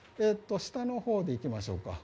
下のほうにいきましょう。